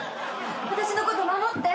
私のこと守って！